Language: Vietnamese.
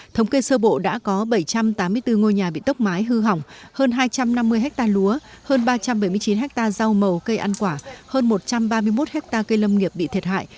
thống kê sơ bộ đã có bảy trăm tám mươi bốn ngôi nhà bị tốc mái hư hỏng hơn hai trăm năm mươi ha lúa hơn ba trăm bảy mươi chín ha rau màu cây ăn quả hơn một trăm ba mươi một hectare cây lâm nghiệp bị thiệt hại